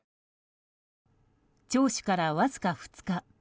聴取からわずか２日。